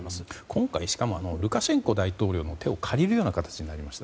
今回、しかもルカシェンコ大統領の手を借りるような形になりました。